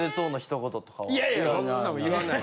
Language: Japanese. いやいやそんなもん言わない。